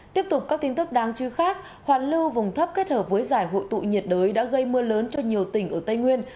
tiếp tục các tin tức đáng chú khác hoàn lưu vùng thấp kết hợp với giải hội tụ nhiệt đới đã gây mưa lớn cho nhiều tỉnh ở tây nguyên